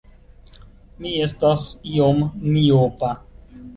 Mi estas iom miopa.